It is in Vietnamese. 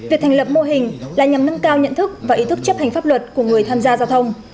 việc thành lập mô hình là nhằm nâng cao nhận thức và ý thức chấp hành pháp luật của người tham gia giao thông